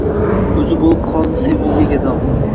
O’zi bo’lib qoldi sevgiga gado.